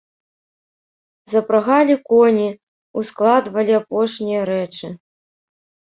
Запрагалі коні, ускладвалі апошнія рэчы.